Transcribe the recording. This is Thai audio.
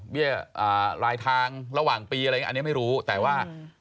ลายทางระหว่างปีอะไรอย่างนี้อันนี้ไม่รู้แต่ว่า